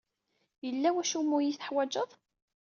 Yella wacu umi iyi-teḥwajeḍ?